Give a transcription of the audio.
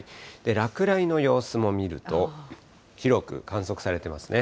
落雷の様子も見ると、広く観測されてますね。